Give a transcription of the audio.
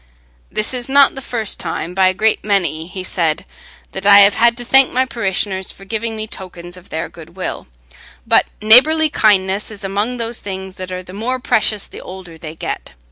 "This is not the first time, by a great many," he said, "that I have had to thank my parishioners for giving me tokens of their goodwill, but neighbourly kindness is among those things that are the more precious the older they get.